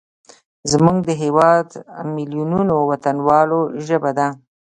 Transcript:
زموږ د هیواد میلیونونو وطنوالو ژبه ده.